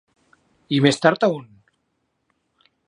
I més tard a on?